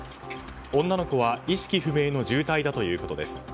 女の子は意識不明の重体だということです。